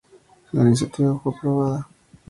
La iniciativa fue aprobada.